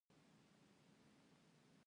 زده کوونکې به تر هغه وخته پورې جغرافیه لولي.